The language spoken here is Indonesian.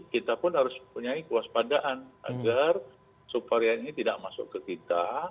kita pun harus punya kewaspadaan agar subvarian ini tidak masuk ke kita